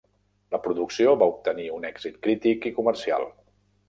La producció va obtenir un èxit crític i comercial.